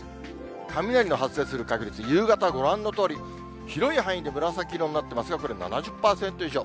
雷の発生する確率、夕方、ご覧のとおり、広い範囲で紫色になっていますが、これ、７０％以上。